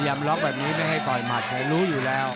ย้ำล็อกแบบนี้ไม่ได้ดอยหมับเลยรู้อยู่แล้ว